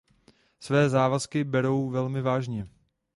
Své závazky berou velmi vážně.